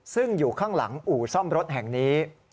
ซึ่งอยู่ข้างหลังอู่ซ่อมรถแห่งนี้